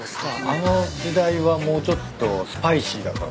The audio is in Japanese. あの時代はもうちょっとスパイシーだった。